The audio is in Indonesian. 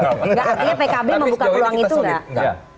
artinya pkb membuka peluang itu enggak